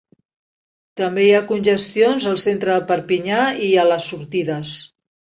També hi ha congestions al centre de Perpinyà i a les sortides.